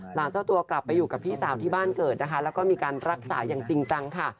เจ้าตัวกลับไปอยู่กับพี่สาวที่บ้านเกิดนะคะแล้วก็มีการรักษาอย่างจริงจังค่ะ